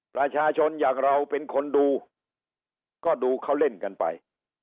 ประชาชนอย่างเราเป็นคนดูก็ดูเขาเล่นกันไป